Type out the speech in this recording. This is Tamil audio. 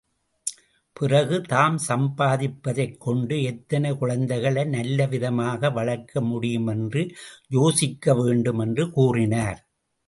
பிறகு தாம் சம்பாதிப்பதைக்கொண்டு எத்தனை குழந்தைகளை நல்லவிதமாக வளர்க்க முடியும் என்று யோசிக்க வேண்டும் என்று கூறினார்.